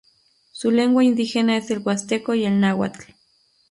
Su lengua indígena es el huasteco y el náhuatl.